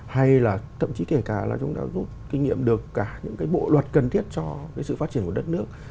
hay là thậm chí kể cả là chúng ta rút kinh nghiệm được cả những cái bộ luật cần thiết cho cái sự phát triển của đất nước